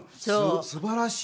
すばらしい。